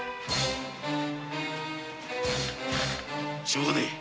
・しょうがねぇ。